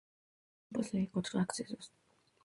La estación posee cuatro accesos.